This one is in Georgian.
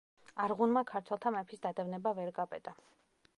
არღუნმა ქართველთა მეფის დადევნება ვერ გაბედა.